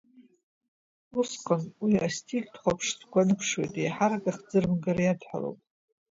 Усҟан уи астильтә хәаԥштәқәа аныԥшуеит, еиҳарак ахӡырымгара иадҳәалоуп.